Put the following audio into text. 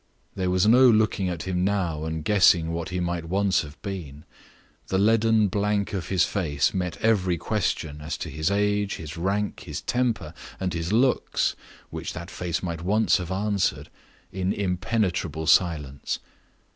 There was no looking at him now, and guessing what he might once have been. The leaden blank of his face met every question as to his age, his rank, his temper, and his looks which that face might once have answered, in impenetrable silence.